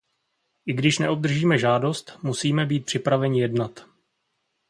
I když neobdržíme žádost, musíme být připraveni jednat.